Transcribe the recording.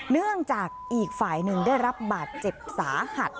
เนื่องจากอีกฝ่ายหนึ่งได้รับบาดเจ็บสาหัส